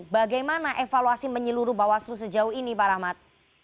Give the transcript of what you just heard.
bagaimana evaluasi menyeluruh bawaslu sejauh ini pak rahmat